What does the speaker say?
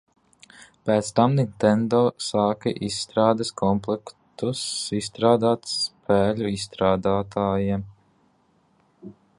Pēc tam Nintendo sāka izstrādes komplektus izstrādāt spēļu izstrādātājiem.